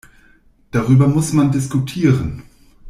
Darüber muss man diskutieren.